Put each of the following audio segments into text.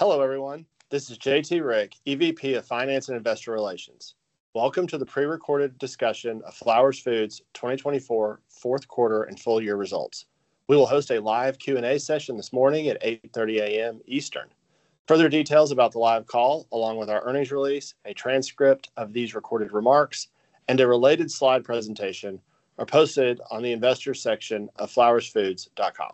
Hello, everyone. This is J.T. Rieck, EVP of Finance and Investor Relations. Welcome to the prerecorded discussion of Flowers Foods' 2024 fourth quarter and full-year results. We will host a live Q&A session this morning at 8:30 A.M. Eastern. Further details about the live call, along with our earnings release, a transcript of these recorded remarks, and a related slide presentation, are posted on the investors' section of flowersfoods.com.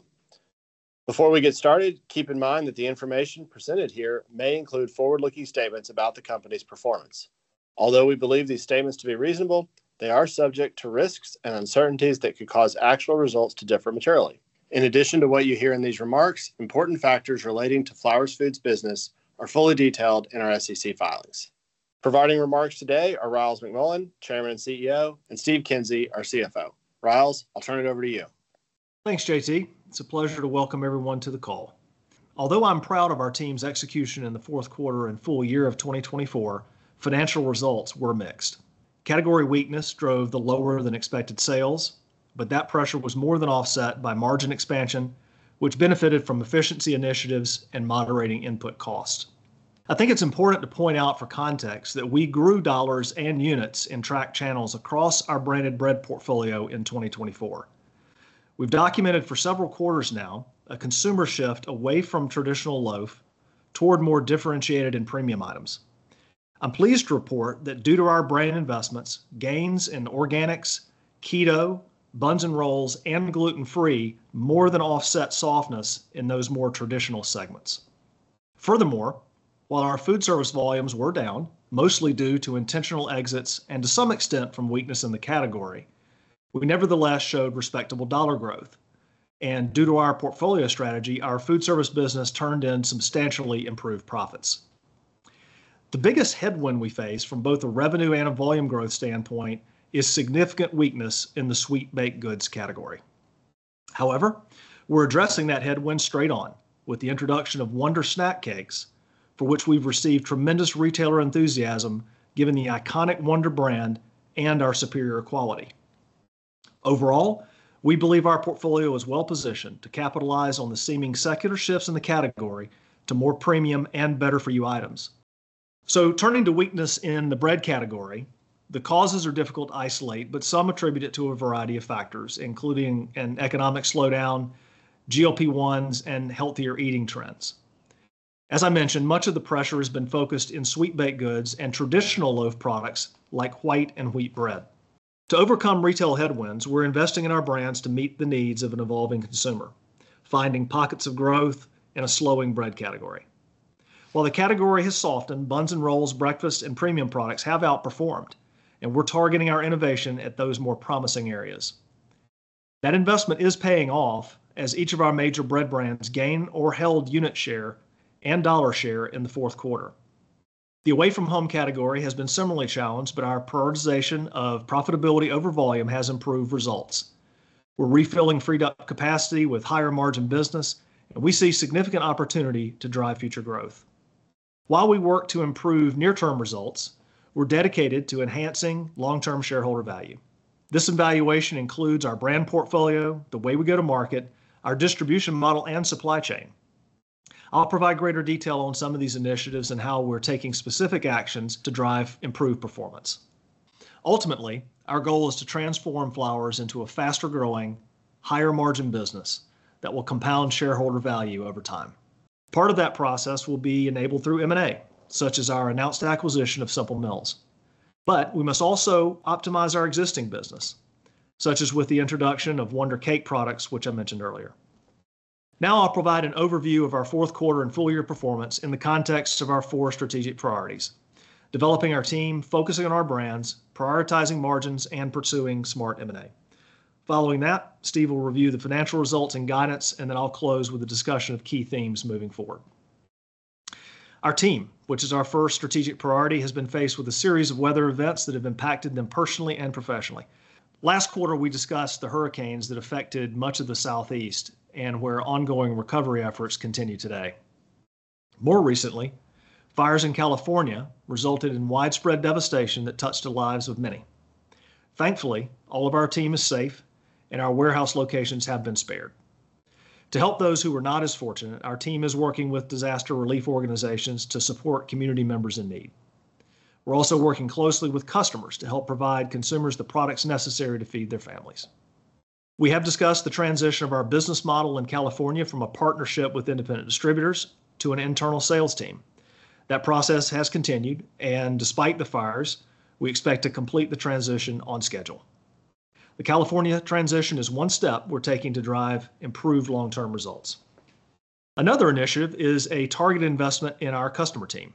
Before we get started, keep in mind that the information presented here may include forward-looking statements about the company's performance. Although we believe these statements to be reasonable, they are subject to risks and uncertainties that could cause actual results to differ materially. In addition to what you hear in these remarks, important factors relating to Flowers Foods' business are fully detailed in our SEC filings. Providing remarks today are Ryals McMullian, Chairman and CEO, and Steve Kinsey, our CFO. Ryals, I'll turn it over to you. Thanks, J.T. It's a pleasure to welcome everyone to the call. Although I'm proud of our team's execution in the fourth quarter and full year of 2024, financial results were mixed. Category weakness drove the lower-than-expected sales, but that pressure was more than offset by margin expansion, which benefited from efficiency initiatives and moderating input cost. I think it's important to point out for context that we grew dollars and units in tracked channels across our branded bread portfolio in 2024. We've documented for several quarters now a consumer shift away from traditional loaf toward more differentiated and premium items. I'm pleased to report that due to our brand investments, gains in organics, keto, buns and rolls, and gluten-free more than offset softness in those more traditional segments. Furthermore, while our foodservice volumes were down, mostly due to intentional exits and to some extent from weakness in the category, we nevertheless showed respectable dollar growth. And due to our portfolio strategy, our foodservice business turned in substantially improved profits. The biggest headwind we face from both a revenue and a volume growth standpoint is significant weakness in the sweet baked goods category. However, we're addressing that headwind straight on with the introduction of Wonder Snack Cakes, for which we've received tremendous retailer enthusiasm given the iconic Wonder brand and our superior quality. Overall, we believe our portfolio is well positioned to capitalize on the seeming secular shifts in the category to more premium and better-for-you items. So turning to weakness in the bread category, the causes are difficult to isolate, but some attribute it to a variety of factors, including an economic slowdown, GLP-1s, and healthier eating trends. As I mentioned, much of the pressure has been focused in sweet baked goods and traditional loaf products like white and wheat bread. To overcome retail headwinds, we're investing in our brands to meet the needs of an evolving consumer, finding pockets of growth in a slowing bread category. While the category has softened, buns and rolls, breakfast, and premium products have outperformed, and we're targeting our innovation at those more promising areas. That investment is paying off as each of our major bread brands gain or held unit share and dollar share in the fourth quarter. The away-from-home category has been similarly challenged, but our prioritization of profitability over volume has improved results. We're refilling freed-up capacity with higher margin business, and we see significant opportunity to drive future growth. While we work to improve near-term results, we're dedicated to enhancing long-term shareholder value. This evaluation includes our brand portfolio, the way we go to market, our distribution model, and supply chain. I'll provide greater detail on some of these initiatives and how we're taking specific actions to drive improved performance. Ultimately, our goal is to transform Flowers into a faster-growing, higher-margin business that will compound shareholder value over time. Part of that process will be enabled through M&A, such as our announced acquisition of Simple Mills. But we must also optimize our existing business, such as with the introduction of Wonder cake products, which I mentioned earlier. Now I'll provide an overview of our fourth quarter and full-year performance in the context of our four strategic priorities: developing our team, focusing on our brands, prioritizing margins, and pursuing smart M&A. Following that, Steve will review the financial results and guidance, and then I'll close with a discussion of key themes moving forward. Our team, which is our first strategic priority, has been faced with a series of weather events that have impacted them personally and professionally. Last quarter, we discussed the hurricanes that affected much of the Southeast, where ongoing recovery efforts continue today. More recently, fires in California resulted in widespread devastation that touched the lives of many. Thankfully, all of our team is safe, and our warehouse locations have been spared. To help those who are not as fortunate, our team is working with disaster relief organizations to support community members in need. We're also working closely with customers to help provide consumers the products necessary to feed their families. We have discussed the transition of our business model in California from a partnership with independent distributors to an internal sales team. That process has continued, and despite the fires, we expect to complete the transition on schedule. The California transition is one step we're taking to drive improved long-term results. Another initiative is a targeted investment in our customer team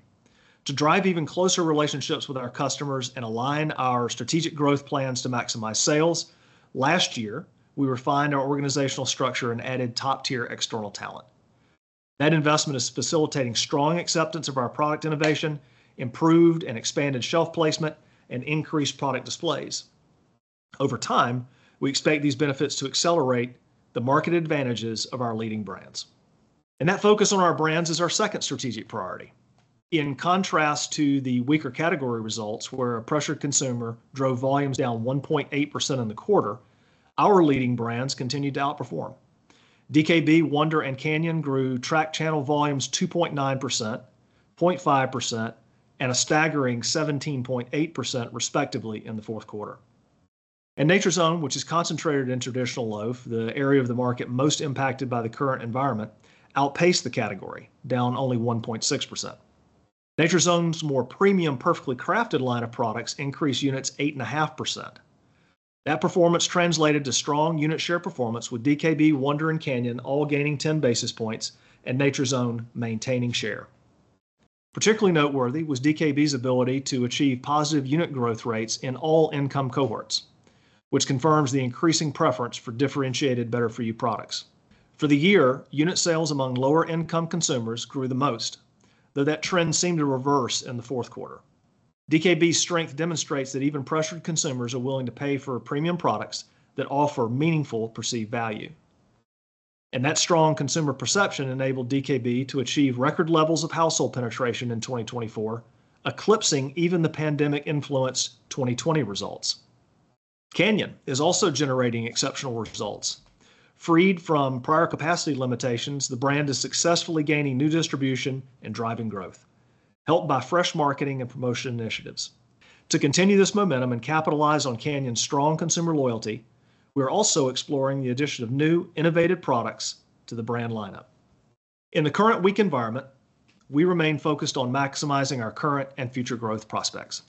to drive even closer relationships with our customers and align our strategic growth plans to maximize sales. Last year, we refined our organizational structure and added top-tier external talent. That investment is facilitating strong acceptance of our product innovation, improved and expanded shelf placement, and increased product displays. Over time, we expect these benefits to accelerate the market advantages of our leading brands. That focus on our brands is our second strategic priority. In contrast to the weaker category results, where a pressured consumer drove volumes down 1.8% in the quarter, our leading brands continued to outperform. DKB, Wonder, and Canyon grew tracked channel volumes 2.9%, 0.5%, and a staggering 17.8%, respectively, in the fourth quarter. Nature's Own, which is concentrated in traditional loaf, the area of the market most impacted by the current environment, outpaced the category, down only 1.6%. Nature's Own's more premium, Perfectly Crafted line of products increased units 8.5%. That performance translated to strong unit share performance, with DKB, Wonder, and Canyon all gaining 10 basis points and Nature's Own maintaining share. Particularly noteworthy was DKB's ability to achieve positive unit growth rates in all income cohorts, which confirms the increasing preference for differentiated, better-for-you products. For the year, unit sales among lower-income consumers grew the most, though that trend seemed to reverse in the fourth quarter. DKB's strength demonstrates that even pressured consumers are willing to pay for premium products that offer meaningful perceived value, and that strong consumer perception enabled DKB to achieve record levels of household penetration in 2024, eclipsing even the pandemic-influenced 2020 results. Canyon is also generating exceptional results. Freed from prior capacity limitations, the brand is successfully gaining new distribution and driving growth, helped by fresh marketing and promotion initiatives. To continue this momentum and capitalize on Canyon's strong consumer loyalty, we are also exploring the addition of new, innovative products to the brand lineup. In the current weak environment, we remain focused on maximizing our current and future growth prospects.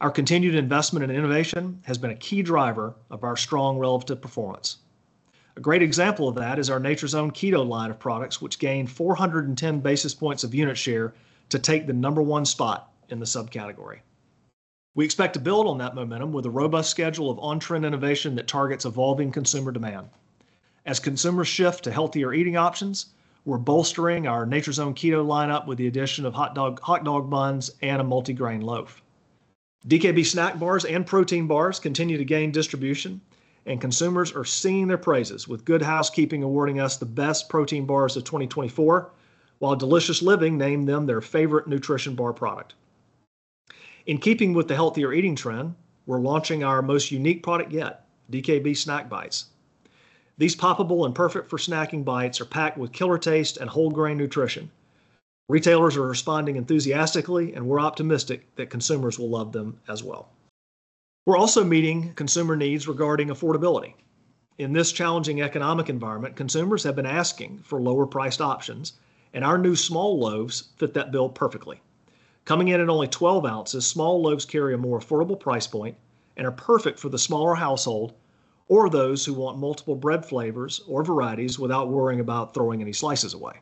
Our continued investment in innovation has been a key driver of our strong relative performance. A great example of that is our Nature's Own Keto line of products, which gained 410 basis points of unit share to take the number one spot in the subcategory. We expect to build on that momentum with a robust schedule of on-trend innovation that targets evolving consumer demand. As consumers shift to healthier eating options, we're bolstering our Nature's Own Keto lineup with the addition of hot dog buns and a multigrain loaf. DKB snack bars and protein bars continue to gain distribution, and consumers are singing their praises, with Good Housekeeping awarding us the best protein bars of 2024, while Delicious Living named them their favorite nutrition bar product. In keeping with the healthier eating trend, we're launching our most unique product yet, DKB Snack Bites. These poppable and perfect-for-snacking bites are packed with killer taste and whole-grain nutrition. Retailers are responding enthusiastically, and we're optimistic that consumers will love them as well. We're also meeting consumer needs regarding affordability. In this challenging economic environment, consumers have been asking for lower-priced options, and our new small loaves fit that bill perfectly. Coming in at only 12 oz, small loaves carry a more affordable price point and are perfect for the smaller household or those who want multiple bread flavors or varieties without worrying about throwing any slices away.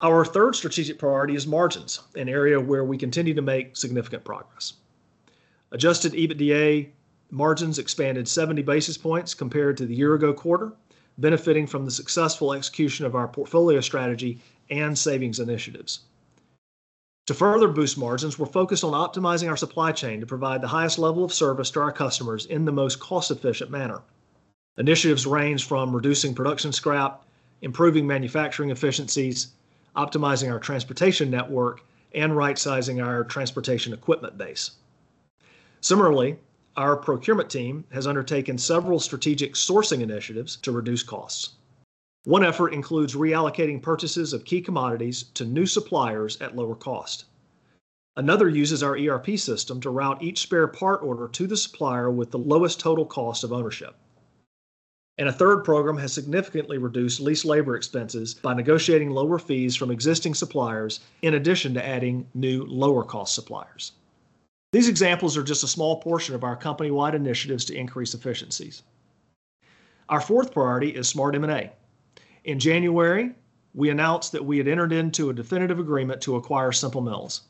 Our third strategic priority is margins, an area where we continue to make significant progress. Adjusted EBITDA margins expanded 70 basis points compared to the year-ago quarter, benefiting from the successful execution of our portfolio strategy and savings initiatives. To further boost margins, we're focused on optimizing our supply chain to provide the highest level of service to our customers in the most cost-efficient manner. Initiatives range from reducing production scrap, improving manufacturing efficiencies, optimizing our transportation network, and right-sizing our transportation equipment base. Similarly, our procurement team has undertaken several strategic sourcing initiatives to reduce costs. One effort includes reallocating purchases of key commodities to new suppliers at lower cost. Another uses our ERP system to route each spare part order to the supplier with the lowest total cost of ownership. And a third program has significantly reduced leased labor expenses by negotiating lower fees from existing suppliers in addition to adding new lower-cost suppliers. These examples are just a small portion of our company-wide initiatives to increase efficiencies. Our fourth priority is smart M&A. In January, we announced that we had entered into a definitive agreement to acquire Simple Mills.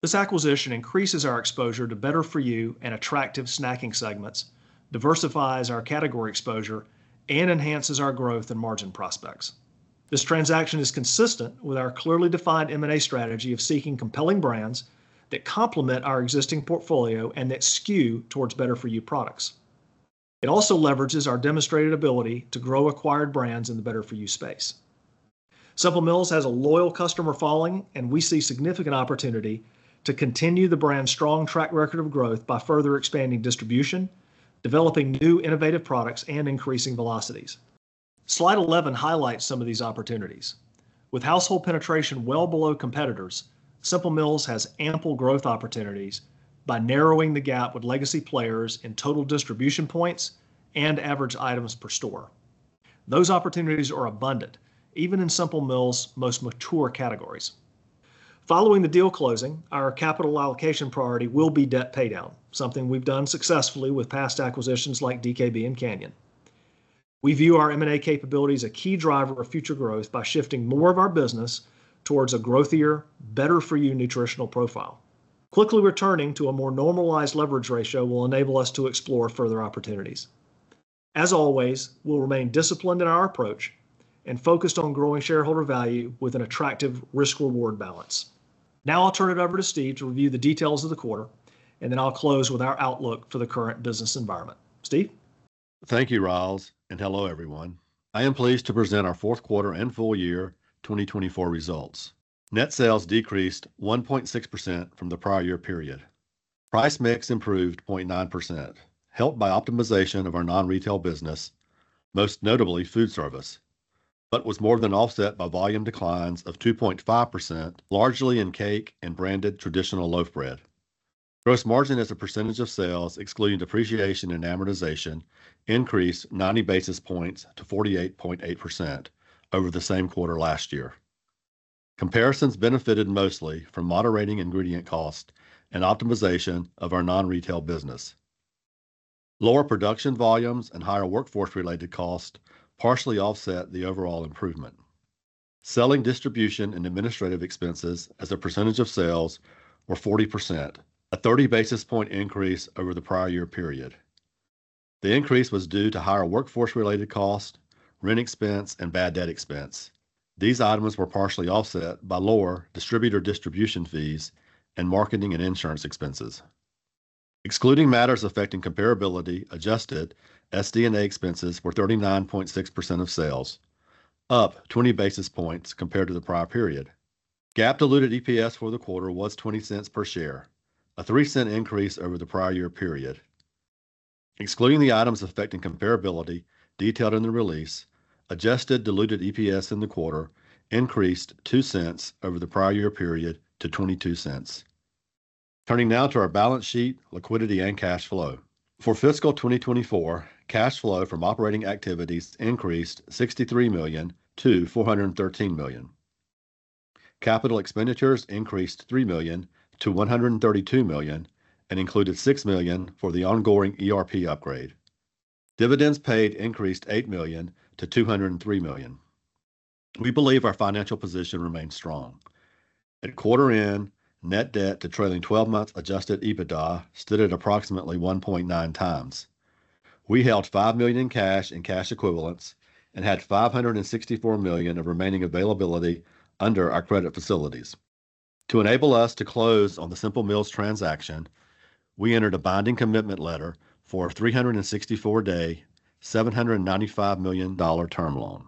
This acquisition increases our exposure to better-for-you and attractive snacking segments, diversifies our category exposure, and enhances our growth and margin prospects. This transaction is consistent with our clearly defined M&A strategy of seeking compelling brands that complement our existing portfolio and that skew towards better-for-you products. It also leverages our demonstrated ability to grow acquired brands in the better-for-you space. Simple Mills has a loyal customer following, and we see significant opportunity to continue the brand's strong track record of growth by further expanding distribution, developing new innovative products, and increasing velocities. Slide 11 highlights some of these opportunities. With household penetration well below competitors, Simple Mills has ample growth opportunities by narrowing the gap with legacy players in total distribution points and average items per store. Those opportunities are abundant, even in Simple Mills' most mature categories. Following the deal closing, our capital allocation priority will be debt paydown, something we've done successfully with past acquisitions like DKB and Canyon. We view our M&A capabilities as a key driver of future growth by shifting more of our business towards a growthier, better-for-you nutritional profile. Quickly returning to a more normalized leverage ratio will enable us to explore further opportunities. As always, we'll remain disciplined in our approach and focused on growing shareholder value with an attractive risk-reward balance. Now I'll turn it over to Steve to review the details of the quarter, and then I'll close with our outlook for the current business environment. Steve? Thank you, Ryals, and hello, everyone. I am pleased to present our fourth quarter and full-year 2024 results. Net sales decreased 1.6% from the prior year period. Price mix improved 0.9%, helped by optimization of our non-retail business, most notably foodservice, but was more than offset by volume declines of 2.5%, largely in cake and branded traditional loaf bread. Gross margin as a percentage of sales, excluding depreciation and amortization, increased 90 basis points to 48.8% over the same quarter last year. Comparisons benefited mostly from moderating ingredient cost and optimization of our non-retail business. Lower production volumes and higher workforce-related costs partially offset the overall improvement. Selling, distribution, and administrative expenses as a percentage of sales were 40%, a 30 basis point increase over the prior year period. The increase was due to higher workforce-related cost, rent expense, and bad debt expense. These items were partially offset by lower distributor distribution fees and marketing and insurance expenses. Excluding matters affecting comparability, adjusted SD&A expenses were 39.6% of sales, up 20 basis points compared to the prior period. GAAP-diluted EPS for the quarter was $0.20 per share, a $0.03 increase over the prior year period. Excluding the items affecting comparability detailed in the release, adjusted diluted EPS in the quarter increased $0.02 over the prior year period to $0.22. Turning now to our balance sheet, liquidity, and cash flow. For fiscal 2024, cash flow from operating activities increased $63 million to $413 million. Capital expenditures increased $3 million to $132 million and included $6 million for the ongoing ERP upgrade. Dividends paid increased $8 million to $203 million. We believe our financial position remains strong. At quarter-end, net debt to trailing 12-month adjusted EBITDA stood at approximately 1.9 times. We held $5 million in cash and cash equivalents and had $564 million of remaining availability under our credit facilities. To enable us to close on the Simple Mills transaction, we entered a binding commitment letter for a 364-day, $795 million term loan.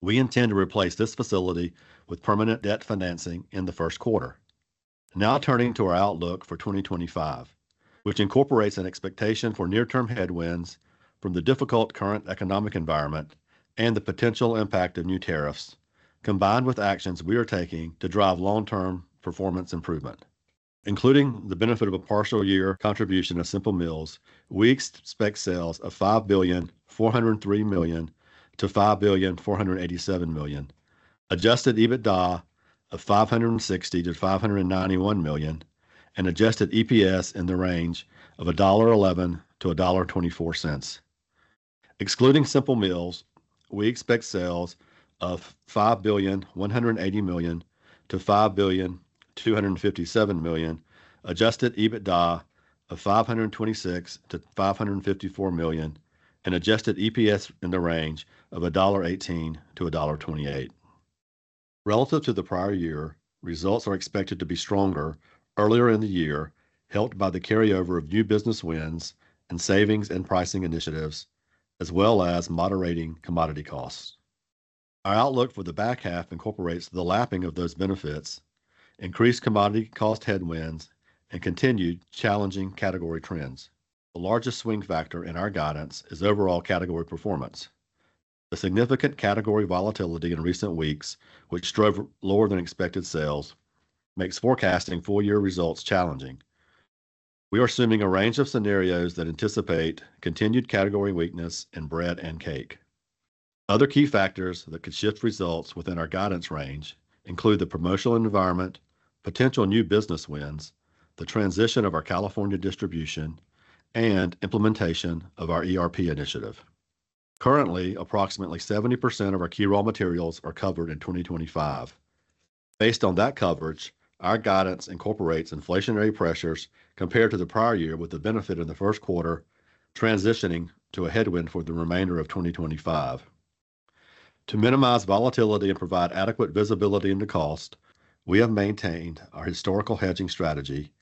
We intend to replace this facility with permanent debt financing in the first quarter. Now turning to our outlook for 2025, which incorporates an expectation for near-term headwinds from the difficult current economic environment and the potential impact of new tariffs, combined with actions we are taking to drive long-term performance improvement. Including the benefit of a partial year contribution of Simple Mills, we expect sales of $5.403 billion-$5.487 billion, adjusted EBITDA of $560 million-$591 million, and adjusted EPS in the range of $1.11-$1.24. Excluding Simple Mills, we expect sales of $5.180 billion-$5.257 billion, adjusted EBITDA of $526 million-$554 million, and adjusted EPS in the range of $1.18-$1.28. Relative to the prior year, results are expected to be stronger earlier in the year, helped by the carryover of new business wins and savings and pricing initiatives, as well as moderating commodity costs. Our outlook for the back half incorporates the lapping of those benefits, increased commodity cost headwinds, and continued challenging category trends. The largest swing factor in our guidance is overall category performance. The significant category volatility in recent weeks, which drove lower-than-expected sales, makes forecasting full-year results challenging. We are assuming a range of scenarios that anticipate continued category weakness in bread and cake. Other key factors that could shift results within our guidance range include the promotional environment, potential new business wins, the transition of our California distribution, and implementation of our ERP initiative. Currently, approximately 70% of our key raw materials are covered in 2025. Based on that coverage, our guidance incorporates inflationary pressures compared to the prior year, with the benefit in the first quarter transitioning to a headwind for the remainder of 2025. To minimize volatility and provide adequate visibility into cost, we have maintained our historical hedging strategy,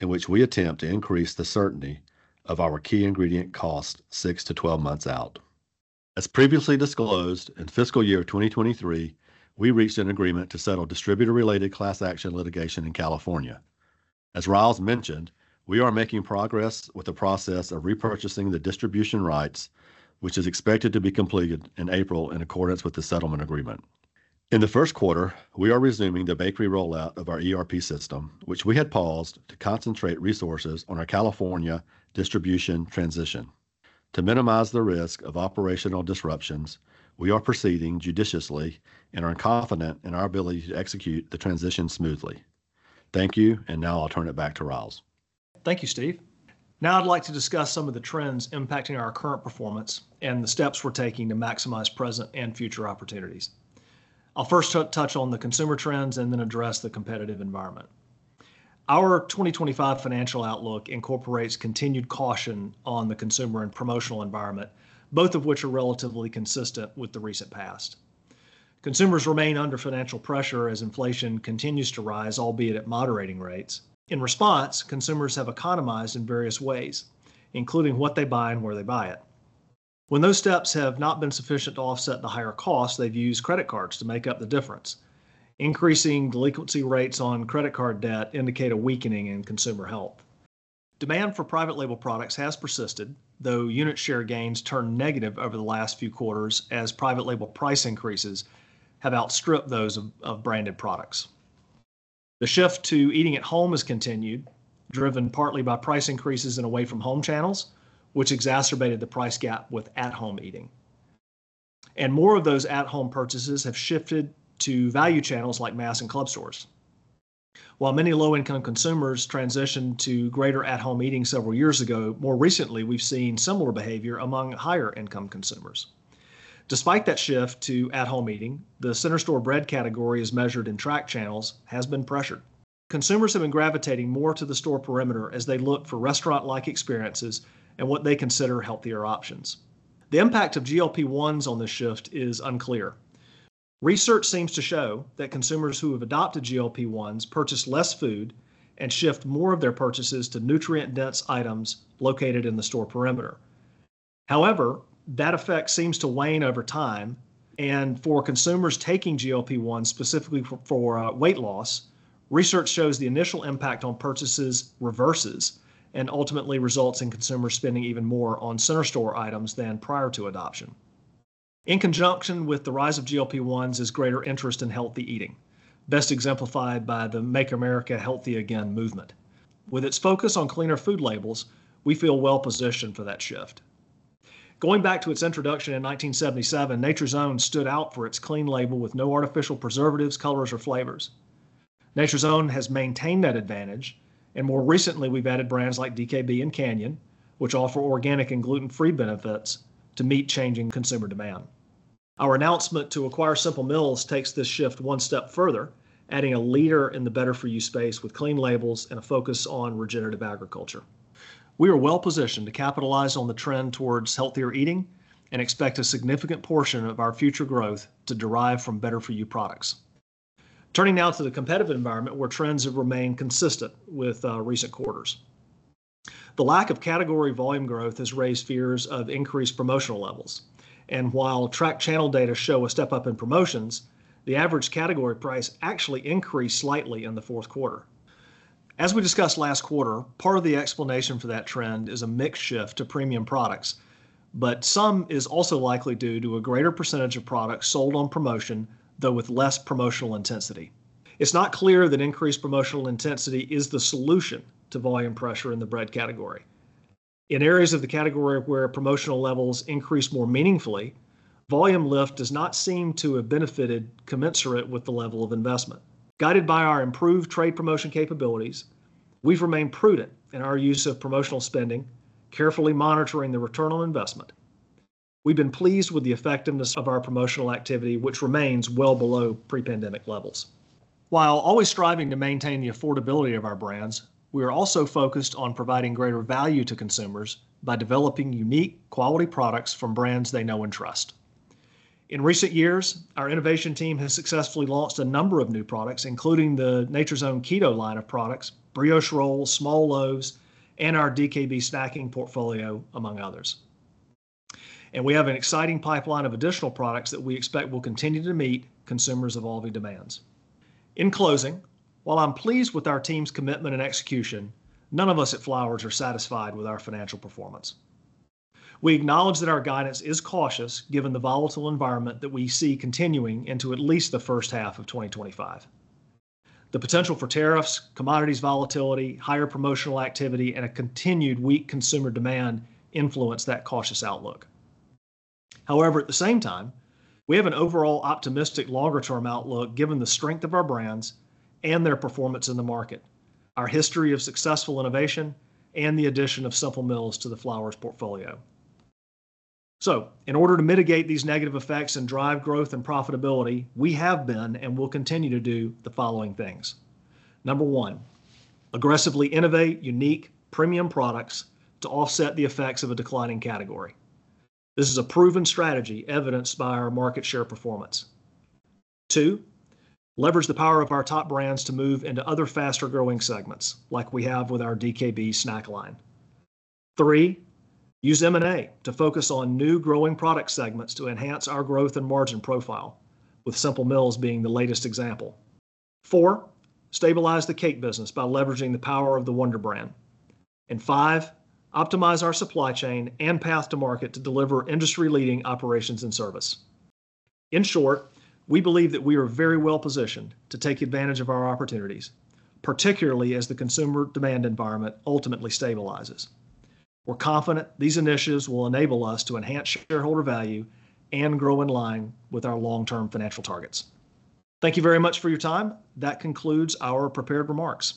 in which we attempt to increase the certainty of our key ingredient cost six to 12 months out. As previously disclosed, in fiscal year 2023, we reached an agreement to settle distributor-related class action litigation in California. As Ryals mentioned, we are making progress with the process of repurchasing the distribution rights, which is expected to be completed in April in accordance with the settlement agreement. In the first quarter, we are resuming the bakery rollout of our ERP system, which we had paused to concentrate resources on our California distribution transition. To minimize the risk of operational disruptions, we are proceeding judiciously and are confident in our ability to execute the transition smoothly. Thank you, and now I'll turn it back to Ryals. Thank you, Steve. Now I'd like to discuss some of the trends impacting our current performance and the steps we're taking to maximize present and future opportunities. I'll first touch on the consumer trends and then address the competitive environment. Our 2025 financial outlook incorporates continued caution on the consumer and promotional environment, both of which are relatively consistent with the recent past. Consumers remain under financial pressure as inflation continues to rise, albeit at moderating rates. In response, consumers have economized in various ways, including what they buy and where they buy it. When those steps have not been sufficient to offset the higher costs, they've used credit cards to make up the difference. Increasing delinquency rates on credit card debt indicate a weakening in consumer health. Demand for private label products has persisted, though unit share gains turned negative over the last few quarters as private label price increases have outstripped those of branded products. The shift to eating at home has continued, driven partly by price increases in away-from-home channels, which exacerbated the price gap with at-home eating, and more of those at-home purchases have shifted to value channels like mass and club stores. While many low-income consumers transitioned to greater at-home eating several years ago, more recently, we've seen similar behavior among higher-income consumers. Despite that shift to at-home eating, the center store bread category as measured in tracked channels has been pressured. Consumers have been gravitating more to the store perimeter as they look for restaurant-like experiences and what they consider healthier options. The impact of GLP-1s on this shift is unclear. Research seems to show that consumers who have adopted GLP-1s purchase less food and shift more of their purchases to nutrient-dense items located in the store perimeter. However, that effect seems to wane over time, and for consumers taking GLP-1s specifically for weight loss, research shows the initial impact on purchases reverses and ultimately results in consumers spending even more on center store items than prior to adoption. In conjunction with the rise of GLP-1s is greater interest in healthy eating, best exemplified by the Make America Healthy Again movement. With its focus on cleaner food labels, we feel well-positioned for that shift. Going back to its introduction in 1977, Nature's Own stood out for its clean label with no artificial preservatives, colors, or flavors. Nature's Own has maintained that advantage, and more recently, we've added brands like DKB and Canyon, which offer organic and gluten-free benefits to meet changing consumer demand. Our announcement to acquire Simple Mills takes this shift one step further, adding a leader in the better-for-you space with clean labels and a focus on regenerative agriculture. We are well-positioned to capitalize on the trend towards healthier eating and expect a significant portion of our future growth to derive from better-for-you products. Turning now to the competitive environment, where trends have remained consistent with recent quarters. The lack of category volume growth has raised fears of increased promotional levels. And while tracked channel data show a step up in promotions, the average category price actually increased slightly in the fourth quarter. As we discussed last quarter, part of the explanation for that trend is a mixed shift to premium products, but some is also likely due to a greater percentage of products sold on promotion, though with less promotional intensity. It's not clear that increased promotional intensity is the solution to volume pressure in the bread category. In areas of the category where promotional levels increase more meaningfully, volume lift does not seem to have benefited commensurate with the level of investment. Guided by our improved trade promotion capabilities, we've remained prudent in our use of promotional spending, carefully monitoring the return on investment. We've been pleased with the effectiveness of our promotional activity, which remains well below pre-pandemic levels. While always striving to maintain the affordability of our brands, we are also focused on providing greater value to consumers by developing unique, quality products from brands they know and trust. In recent years, our innovation team has successfully launched a number of new products, including the Nature's Own Keto line of products, brioche rolls, small loaves, and our DKB snacking portfolio, among others, and we have an exciting pipeline of additional products that we expect will continue to meet consumers' evolving demands. In closing, while I'm pleased with our team's commitment and execution, none of us at Flowers are satisfied with our financial performance. We acknowledge that our guidance is cautious given the volatile environment that we see continuing into at least the first half of 2025. The potential for tariffs, commodities volatility, higher promotional activity, and a continued weak consumer demand influence that cautious outlook. However, at the same time, we have an overall optimistic longer-term outlook given the strength of our brands and their performance in the market, our history of successful innovation, and the addition of Simple Mills to the Flowers portfolio. So, in order to mitigate these negative effects and drive growth and profitability, we have been and will continue to do the following things. Number one, aggressively innovate unique, premium products to offset the effects of a declining category. This is a proven strategy evidenced by our market share performance. Two, leverage the power of our top brands to move into other faster-growing segments, like we have with our DKB snack line. Three, use M&A to focus on new, growing product segments to enhance our growth and margin profile, with Simple Mills being the latest example. Four, stabilize the cake business by leveraging the power of the Wonder brand. And five, optimize our supply chain and path to market to deliver industry-leading operations and service. In short, we believe that we are very well-positioned to take advantage of our opportunities, particularly as the consumer demand environment ultimately stabilizes. We're confident these initiatives will enable us to enhance shareholder value and grow in line with our long-term financial targets. Thank you very much for your time. That concludes our prepared remarks.